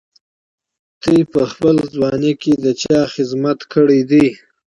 تاسي په خپله ځواني کي د چا خدمت کړی دی؟